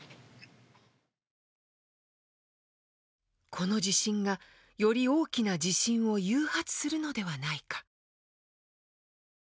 この地震がより大きな地震を誘発するのではないか。